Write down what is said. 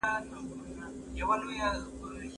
ماشومان له مودې راهیسې په مورنۍ ژبه زده کړه کوي.